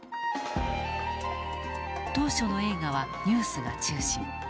当初の映画はニュースが中心。